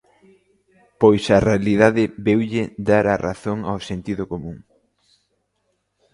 Pois a realidade veulle dar a razón ao sentido común.